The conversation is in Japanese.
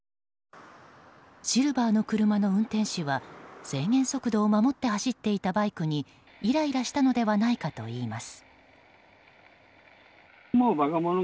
シルバーの車の運転手は制限速度を守って走っていたバイクにイライラしたのではないかといいます。